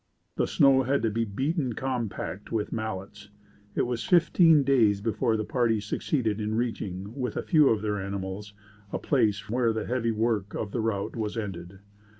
The snow had to be beaten compact with mallets. It was fifteen days before the party succeeded in reaching, with a few of their animals, a place where the heavy work of the route was ended.